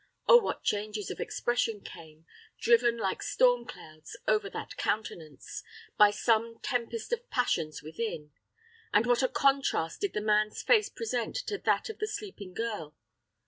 Oh, what changes of expression came, driven like storm clouds, over that countenance, by some tempest of passions within, and what a contrast did the man's face present to that of the sleeping girl.